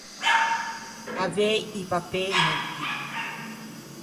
Avei i papê netti.